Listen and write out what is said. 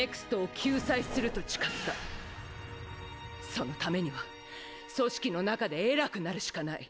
そのためには組織の中で偉くなるしかない！